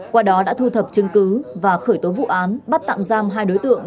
qua đó đã thu thập chứng cứ và khởi tố vụ án bắt tạm giam hai đối tượng